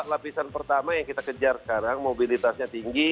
lapisan pertama yang kita kejar sekarang mobilitasnya tinggi